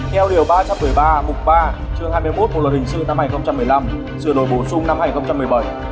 theo điều ba trăm một mươi ba mục ba chương hai mươi một bộ luật hình sự năm hai nghìn một mươi năm sửa đổi bổ sung năm hai nghìn một mươi bảy